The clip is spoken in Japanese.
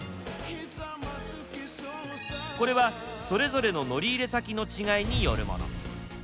これはそれぞれの乗り入れ先の違いによるもの。